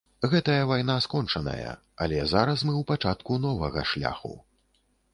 Гэтая вайна скончаная, але зараз мы ў пачатку новага шляху.